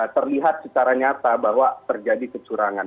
terlihat secara nyata bahwa terjadi kecurangan